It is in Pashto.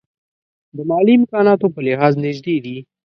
د مالي امکاناتو په لحاظ نژدې دي.